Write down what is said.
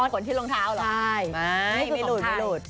อ๋อขนที่รองเท้าหรือใช่ไม่หลุด